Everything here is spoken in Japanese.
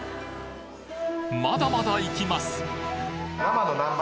まだまだいきます！